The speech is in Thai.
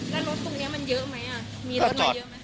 แล้วรถตรงนี้มันเยอะไหม